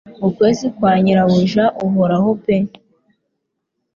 Ukwezi kwa nyirabuja uhoraho pe